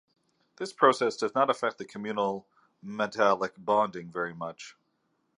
This process does not affect the communal metallic bonding very much.